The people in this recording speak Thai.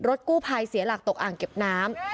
รถกู้ภัยเสียหลักตกอ่างเก็บน้ำ